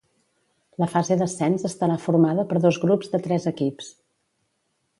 La fase d'ascens estarà formada per dos grups de tres equips.